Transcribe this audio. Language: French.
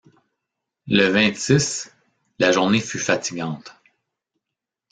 Le vingt-six, la journée fut fatigante.